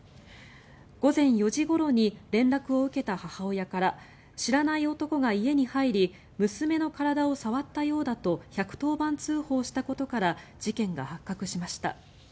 午前４時ごろに連絡を受けた母親から知らない男が家に入り娘の体を触ったようだと１１０番通報したことから事件が発覚しました。